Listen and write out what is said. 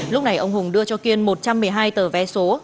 lúc này ông hùng đưa cho kiên một trăm một mươi hai tờ vé số